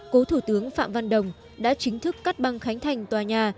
cố thủ tướng phạm văn đồng đã chính thức cắt băng khánh thành tòa nhà